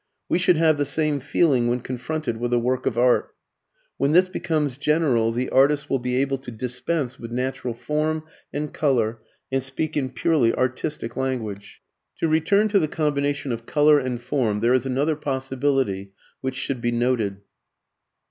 We should have the same feeling when confronted with a work of art. When this becomes general the artist will be able to dispense with natural form and colour and speak in purely artistic language. To return to the combination of colour and form, there is another possibility which should be noted.